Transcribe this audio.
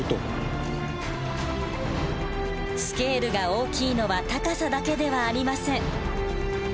スケールが大きいのは高さだけではありません。